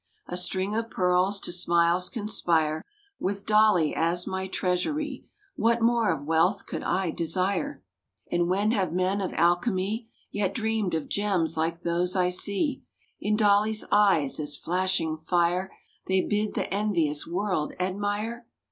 A string of pearls to smiles conspire; With Dolly as my treasury, What more of wealth could I desire? And when have men of alchemy Yet dreamed of gems like those I see In Dolly's eyes, as flashing fire, They bid the envious world admire?